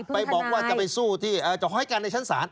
ไปบอกว่าจะไปสู้ที่จะหอยกันในชั้นศาล